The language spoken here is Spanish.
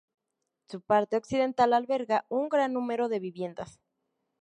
Su parte occidental alberga un gran número de viviendas.